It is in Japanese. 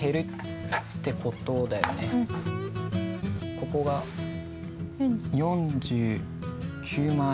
ここが４９万円。